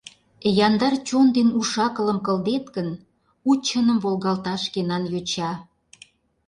Яндар чон ден уш-акылым кылдет гын, У чыным волгалта шкенан йоча.